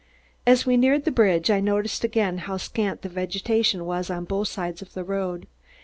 As we neared the bridge, I noticed again how scant the vegetation was on both sides of the road.